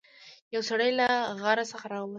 یو سړی له غار څخه راووت.